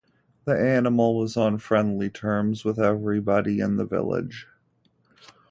The animal was on friendly terms with everybody in the village.